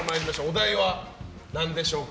お題は何でしょうか？